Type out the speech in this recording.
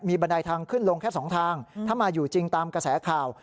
บันไดทางขึ้นลงแค่๒ทางถ้ามาอยู่จริงตามกระแสข่าว